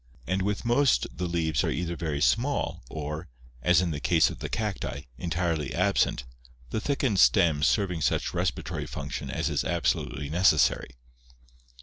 DESERT ADAPTATION 397 with most the leaves are either very small or, as in the case of the cacti, entirely absent, the thickened stems serving such respiratory function as is absolutely necessary.